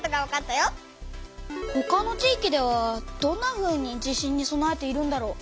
ほかの地域ではどんなふうに地震にそなえているんだろう？